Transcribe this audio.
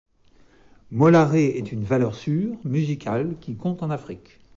Molare est une valeur sûre musicale qui compte en Afrique.